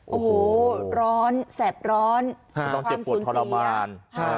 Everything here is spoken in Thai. โอ้โหร้อนแสบร้อนไม่ต้องเจ็บปวดทรมาน